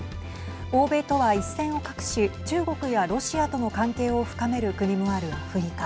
欧米とは一線を画し中国やロシアとの関係を深める国もあるアフリカ。